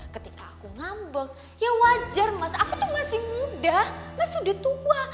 ketika aku ngambek ya wajar mas aku tuh masih muda mas sudah tua